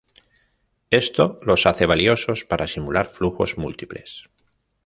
Esto los hace valiosos para simular flujos múltiples.